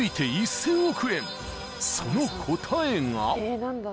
［その答えが］